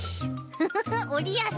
フフフおりやすい。